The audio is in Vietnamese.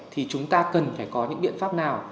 thì chúng ta cần phải có những biện pháp nào